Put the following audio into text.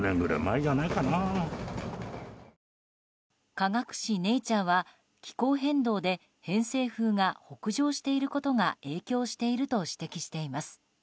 科学誌「ネイチャー」は気候変動で偏西風が北上していることが影響しているといいます。